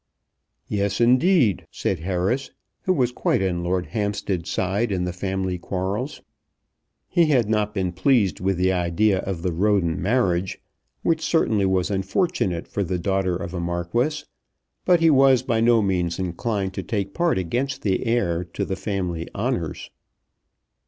"Yes, indeed," said Harris, who was quite on Lord Hampstead's side in the family quarrels. He had not been pleased with the idea of the Roden marriage, which certainly was unfortunate for the daughter of a Marquis; but he was by no means inclined to take part against the heir to the family honours.